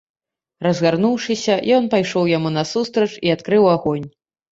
Разгарнуўшыся, ён пайшоў яму насустрач і адкрыў агонь.